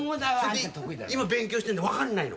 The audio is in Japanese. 今勉強してんだよ分かんないの。